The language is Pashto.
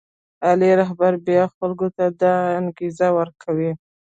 عالي رهبر بیا خلکو ته دا انګېزه ورکوي.